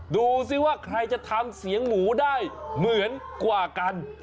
ดูสิว่าใครจะทำเสียงหมูได้เหมือนกว่ากัน